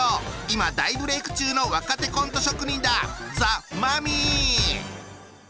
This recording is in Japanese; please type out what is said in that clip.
今大ブレーク中の若手コント職人だ！